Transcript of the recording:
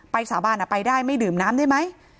สาบานไปได้ไม่ดื่มน้ำได้ไหม